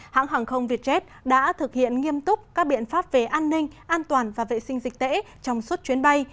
hãng hàng không vietjet đã thực hiện nghiêm túc các biện pháp về an ninh an toàn và vệ sinh dịch tễ trong suốt chuyến bay